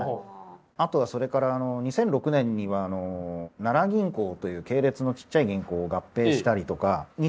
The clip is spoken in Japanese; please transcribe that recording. あとはそれから２００６年には奈良銀行という系列のちっちゃい銀行を合併したりとか。